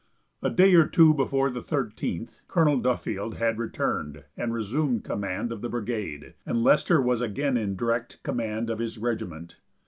A day or two before the 13th Colonel Duffield had returned and resumed command of the brigade, and Lester was again in direct command of his regiment.